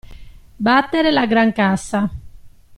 Battere la grancassa.